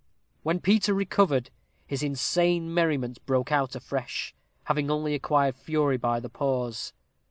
When Peter recovered, his insane merriment broke out afresh, having only acquired fury by the pause.